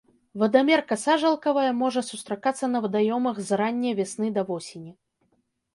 Вадамерка сажалкавая можа сустракацца на вадаёмах з ранняй вясны да восені.